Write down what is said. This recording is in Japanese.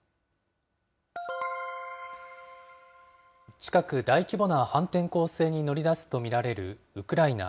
近く大規模な反転攻勢に乗り出すと見られるウクライナ。